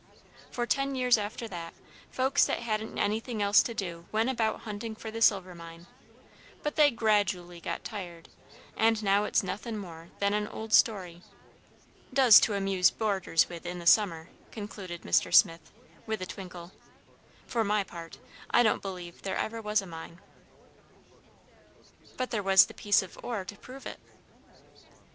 For ten years after that, folks that hadn't anything else to do went about hunting for the silver mine, but they gradooally got tired, and now it's nothin' more than an old story. Does to amuse boarders with in the summer," concluded Mr. Swift, with a twinkle. "For my part, I don't believe there ever was a mine." "But there was the piece of ore to prove it."